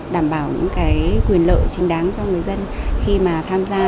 đảm bảo những cái quyền lợi chính đáng cho người dân khi mà tham gia